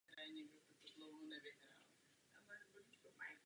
Univerzita je členem sítě předních britských výzkumných univerzit Russel Group.